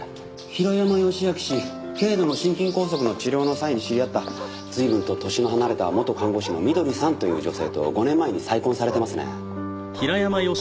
平山義昭氏軽度の心筋梗塞の治療の際に知り合った随分と年の離れた元看護師のみどりさんという女性と５年前に再婚されてますね。